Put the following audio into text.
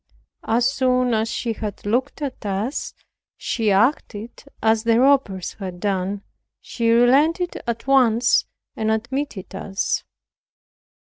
As soon as she had looked at us, she acted as the robbers had done; she relented at once and admitted us.